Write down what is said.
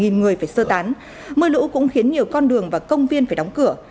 mưa lũ cũng khiến nhiều con đường và công viên phải đóng cửa